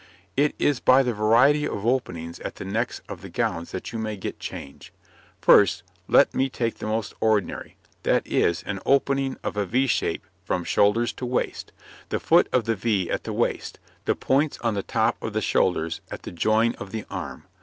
It is by the variety of openings at the necks of the gowns that you may get change. First, let me take the most ordinary that is, an opening of a V shape from shoulders to waist, the foot of the V at the waist, the points on the top of the shoulders at the join of the arm.